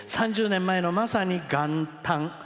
３０年前の、まさに元旦。